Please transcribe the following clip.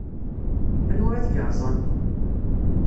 Anwa i t-yerẓan?